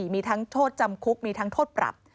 มีทั้งโทษจำคุกมีทั้งโทษปรับ